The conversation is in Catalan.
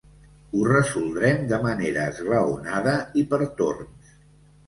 Ho resoldrem de manera esglaonada i per torns.